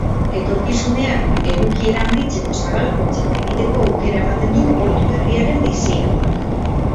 Etorkizunean edukiera handitzeko zabalkuntzak egiteko aukera ematen du portu berriaren diseinuak.